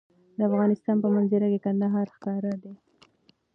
د افغانستان په منظره کې کندهار ښکاره دی.